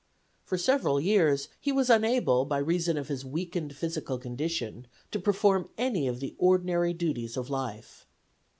For several years he was unable by reason of his weakened physical condition to perform any of the ordinary duties of life.